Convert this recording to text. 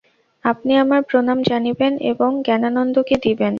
আপনি আমার প্রণাম জানিবেন ও জ্ঞানানন্দকে দিবেন।